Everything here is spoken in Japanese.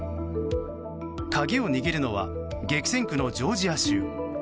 鍵を握るのは激戦区のジョージア州。